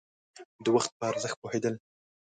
د وخت په ارزښت پوهېدل.